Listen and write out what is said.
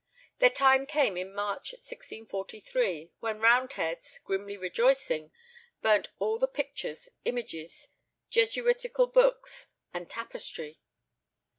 Their time came in March 1643, when Roundheads, grimly rejoicing, burnt all the pictures, images, Jesuitical books, and tapestry.